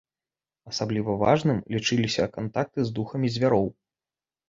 Асабліва важным лічыліся кантакты з духамі звяроў.